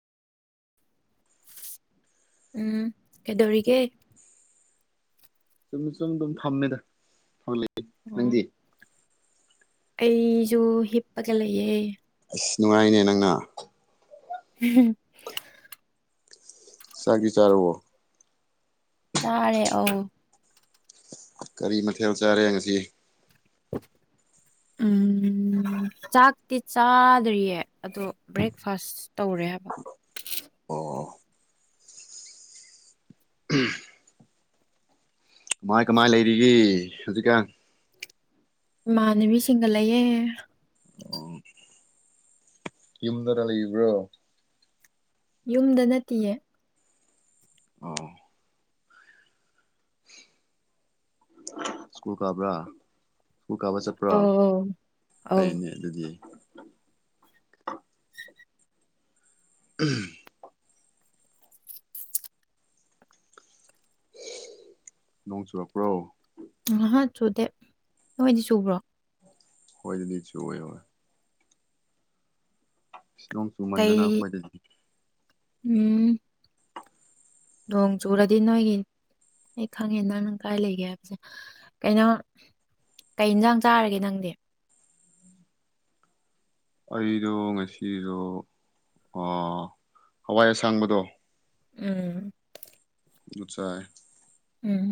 ꯎꯝ ꯀꯩꯗꯧꯔꯤꯒꯦ ꯆꯨꯝꯃꯤ ꯆꯨꯝ ꯗꯨꯝ ꯊꯝꯃꯦꯗ ꯍꯧꯖꯤꯛ ꯑꯣ ꯑꯩꯖꯨ ꯍꯤꯞꯄꯒ ꯂꯩꯌꯦ ꯑꯁ ꯅꯨꯡꯉꯥꯏꯅꯦ ꯅꯪꯅ ꯎꯝ ꯆꯥꯛꯇꯤ ꯆꯥꯔꯕꯣ ꯆꯥꯔꯦ ꯑꯧ ꯀꯔꯤ ꯃꯊꯦꯜ ꯆꯥꯔꯦ ꯉꯁꯤ ꯎꯝ ꯆꯥꯛꯇꯤ ꯆꯥꯗ꯭ꯔꯤꯌꯦ ꯑꯗꯣ ꯕ꯭ꯔꯦꯛꯐꯥꯁ ꯇꯧꯔꯦ ꯍꯥꯏꯕ ꯑꯣ ꯀꯃꯥꯏ ꯀꯃꯥꯏ ꯂꯩꯔꯤꯒꯦ ꯍꯧꯖꯤꯛꯀꯥꯟ ꯏꯃꯅꯕꯤꯁꯤꯡꯒ ꯂꯩꯌꯦ ꯌꯨꯝꯗꯒ ꯂꯩꯕ꯭ꯔꯣ ꯌꯨꯝꯗ ꯅꯠꯇꯤꯌꯦ ꯑꯣ ꯁ꯭ꯀꯨ ꯀꯥꯕ꯭ꯔꯥ ꯁ꯭ꯀꯨ ꯀꯥꯕ ꯆꯠ ꯄ꯭ꯔꯣ ꯑꯧ ꯑꯧ ꯐꯩꯅꯦ ꯑꯗꯨꯗꯤ ꯎꯝ ꯅꯣꯡ ꯆꯨꯨꯔꯛꯄ꯭ꯔꯣ ꯉꯍꯥ ꯆꯨꯗꯦ ꯅꯣꯏꯗꯤ ꯆꯨꯕ꯭ꯔꯣ ꯍꯣꯏꯗꯗꯤ ꯆꯨ ꯑꯣꯏꯕ [unintelligible] ꯀꯩ ꯑꯩꯈꯣꯏꯗꯗꯤ ꯎꯝ ꯅꯣꯡ ꯆꯨꯔꯗꯤ ꯅꯣꯢꯒꯤ ꯑꯩ ꯈꯪꯉꯦ ꯅꯪ ꯀꯥꯏ ꯂꯩꯒꯦ ꯍꯥꯏꯕꯁꯦ ꯀꯩꯅꯣ ꯀꯩ ꯏꯟꯖꯥꯡ ꯆꯥꯔꯒꯦ ꯅꯪꯗꯤ ꯑꯩꯗꯣ ꯉꯁꯤꯗꯣ ꯍꯋꯥꯏ ꯑꯁꯥꯡꯕꯗꯣ ꯎꯝ ꯆꯥꯏ ꯎꯝ